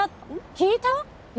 聞いたよ。